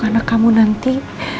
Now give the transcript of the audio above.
untuk anak kamu nanti